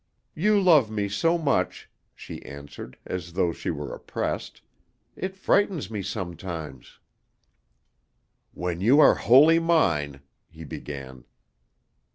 "You love me so much," she answered, as though she were oppressed, "it frightens me sometimes." "When you are wholly mine " he began.